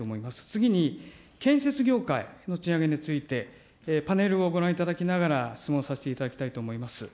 次に建設業界の賃上げについて、パネルをご覧いただきながら、質問させていただきたいと思います。